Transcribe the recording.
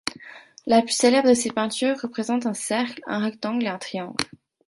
La plus célèbre de ses peintures représente un cercle, un rectangle et un triangle.